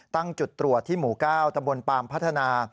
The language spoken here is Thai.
ตั้งจุดตรวจที่หมู่ก้าวตำรวจปรามพัฒนา